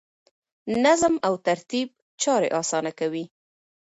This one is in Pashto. نظم او ترتیب چارې اسانه کوي.